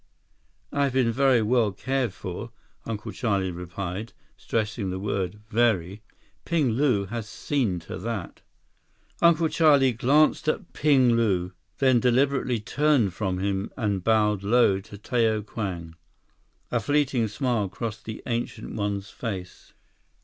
"I've been very well cared for," Uncle Charlie replied, stressing the word "very." "Ping Lu has seen to that." Uncle Charlie glanced at Ping Lu, then deliberately turned from him and bowed low to Tao Kwang. A fleeting smile crossed the Ancient One's face.